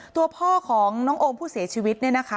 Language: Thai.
ตัวพ่อของน้องโอมผู้เสียชีวิตเนี่ยนะคะ